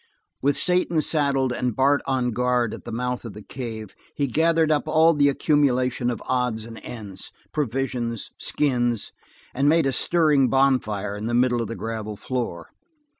With Satan saddled and Bart on guard at the mouth of the cave, he gathered up all the accumulation of odds and ends, provisions, skins, and made a stirring bonfire in the middle of the gravel floor.